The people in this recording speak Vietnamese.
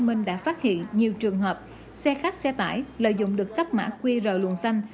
hồ chí minh đã phát hiện nhiều trường hợp xe khách xe tải lợi dụng được cấp mã qr luồn xanh